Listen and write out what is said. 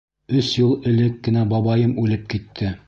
Өс йыл элек кенә бабайым үлеп китте.